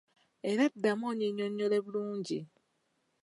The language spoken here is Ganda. Era ddamu onnyinyonnyole bulungi!